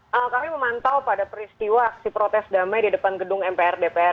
ya kami memantau pada peristiwa aksi protes damai di depan gedung mpr dpr